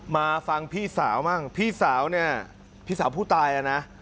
มาฟังพี่สาวบ้างพี่สาวพูดตายแล้วนะ